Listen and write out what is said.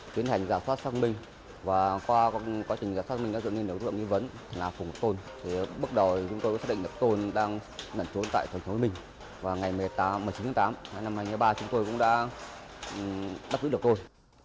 tiến hành giả soát xác minh và qua quá trình giả soát xác minh đã dựa lên đối tượng như vấn là phùng ngọc tôn